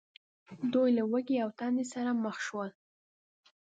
دوی له ولږې او تندې سره مخ شول.